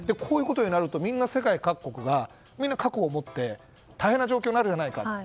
こういうことになると世界各国がみんな核を持って大変な状況になるんじゃないか。